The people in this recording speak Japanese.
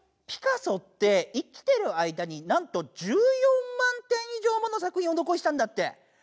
ピカソって生きてる間になんと１４万点以上もの作品をのこしたんだって。